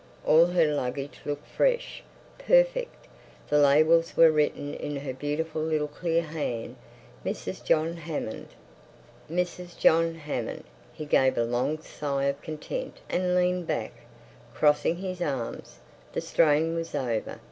All her luggage looked fresh, perfect. The labels were written in her beautiful little clear hand—"Mrs. John Hammond." "Mrs. John Hammond!" He gave a long sigh of content and leaned back, crossing his arms. The strain was over.